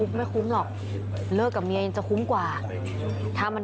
ไม่คุ้มหรอกเลิกกับเมียยังจะคุ้มกว่าถ้ามัน